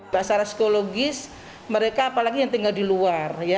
bahasa psikologis mereka apalagi yang tinggal di luar